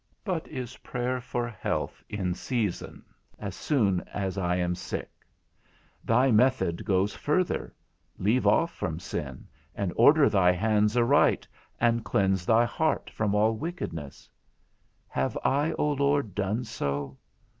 But is prayer for health in season, as soon as I am sick? Thy method goes further: Leave off from sin, and order thy hands aright, and cleanse thy heart from all wickedness. Have I, O Lord, done so?